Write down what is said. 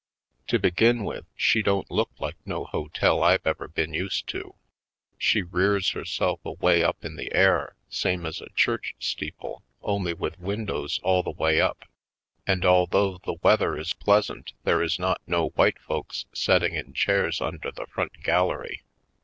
To begin with, she don't look like no hotel I've ever been used to. She rears herself away up in the air, same as a church steeple, only with windows all the way up, and although the weather is pleasant there is not no white folks setting in chairs under the front gal lery.